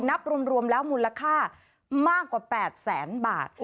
นับรวมแล้วมูลค่ามากกว่า๘แสนบาท